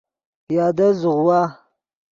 پیادل زوغوا